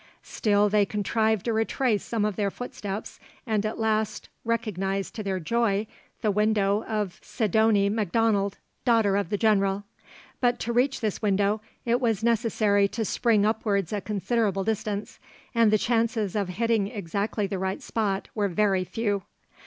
Still, they contrived to retrace some of their footsteps and at last recognised to their joy the window of Sidonie Macdonald, daughter of the general. But to reach this window it was necessary to spring upwards a considerable distance, and the chances of hitting exactly the right spot were very few.